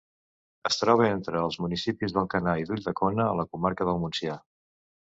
Es troba entre els municipis d'Alcanar i d'Ulldecona, a la comarca del Montsià.